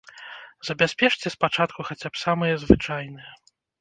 Забяспечце спачатку хаця б самыя звычайныя.